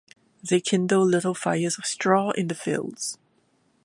They kindle little fires of straw in the fields.